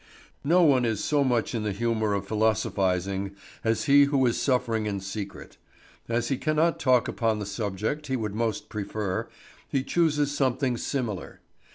No one is so much in the humour for philosophising as he who is suffering in secret. As he cannot talk upon the subject he would most prefer, he chooses something similar.